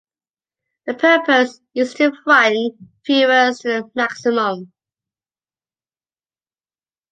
The purpose is to frighten viewers to the maximum.